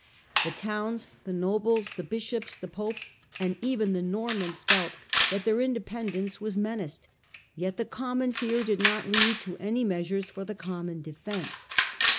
The towns, the nobles, the bishops, the Idle pope, and even the Normans, felt that their independence geJ was menaced. Yet the common fear did not lead to any measures for the common defence.